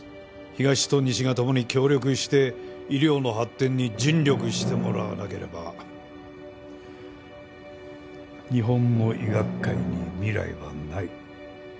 東と西がともに協力して医療の発展に尽力してもらわなければ日本の医学界に未来はない。